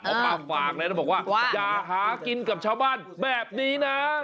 เอาป้าฝากแล้วแล้วบอกว่าอย่าหากินกับชาวบ้านแบบนี้นะ